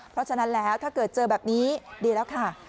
เพราะฉะนั้นแล้วถ้าเกิดเจอแบบนี้ดีแล้วค่ะ